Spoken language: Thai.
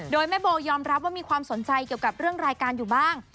โดยแม่โบยอมรับว่ามีความสนใจเกี่ยวกับเรื่องรายการอยู่บ้าง